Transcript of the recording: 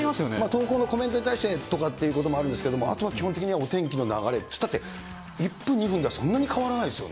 投稿のコメントに対してとかっていうこともあるんですけれども、あとは基本的にはお天気の流れっていったって、１分、２分じそうですね。